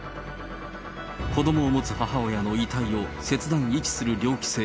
子どもを持つ母親の遺体を切断、遺棄する猟奇性。